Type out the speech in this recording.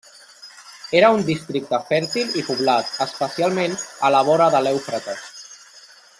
Era un districte fèrtil i poblat, especialment a la vora de l'Eufrates.